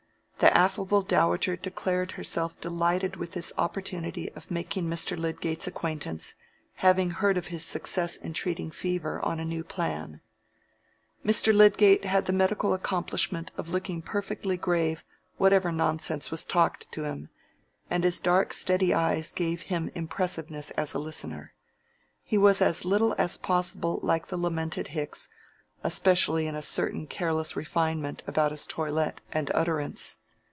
The affable dowager declared herself delighted with this opportunity of making Mr. Lydgate's acquaintance, having heard of his success in treating fever on a new plan. Mr. Lydgate had the medical accomplishment of looking perfectly grave whatever nonsense was talked to him, and his dark steady eyes gave him impressiveness as a listener. He was as little as possible like the lamented Hicks, especially in a certain careless refinement about his toilet and utterance.